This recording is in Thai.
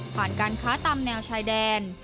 การค้าตามแนวชายแดน